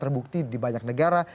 terbukti di banyak negara